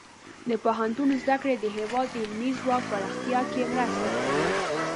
د پوهنتون زده کړې د هیواد د علمي ځواک پراختیا کې مرسته کوي.